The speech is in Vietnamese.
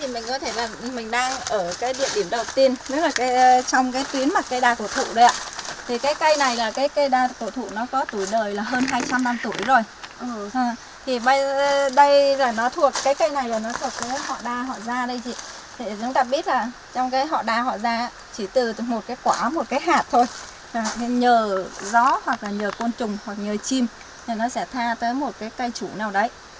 mình đang ở địa điểm đầu tiên trong tuyến cây đa cổ thụ cây đa cổ thụ có tuổi đời hơn hai trăm linh năm tuổi rồi cây này thuộc họ đa họ da chúng ta biết trong họ đa họ da chỉ từ một quả một hạt thôi nhờ gió nhờ côn trùng nhờ chim nó sẽ tha tới một cây chủ nào đấy